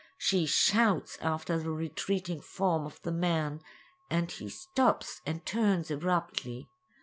She shouts after the retreating form of the man, and he stops, and turns abruptly.